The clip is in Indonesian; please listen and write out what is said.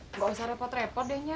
nggak usah repot repot deh nya